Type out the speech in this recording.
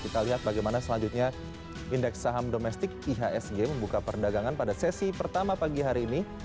kita lihat bagaimana selanjutnya indeks saham domestik ihsg membuka perdagangan pada sesi pertama pagi hari ini